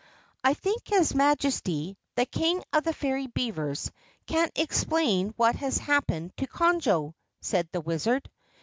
"I think his Majesty, the King of the Fairy Beavers, can explain what has happened to Conjo," said the Wizard.